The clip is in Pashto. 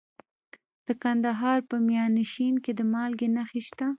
د کندهار په میانشین کې د مالګې نښې شته.